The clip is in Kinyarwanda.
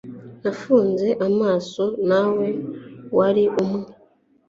Nafunze amaso nawe wari umwe